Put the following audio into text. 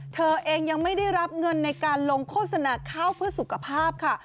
เธอเองยังไม่ได้รับเงินในการลงโฆษณาข้าวเพื่อสุขภาพค่ะ